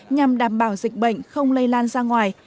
nhằm đảm bảo dịch bệnh không lây lan ra ngoài